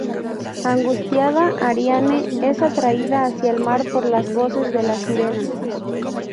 Angustiada, "Ariane" es atraída hacia el mar por las voces de las sirenas.